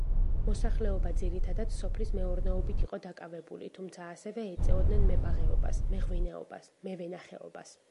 მოსახლეობა ძირითადად სოფლის მეურნეობით იყო დაკავებული, თუმცა ასევე ეწეოდნენ მებაღეობას, მეღვინეობას, მევენახეობას.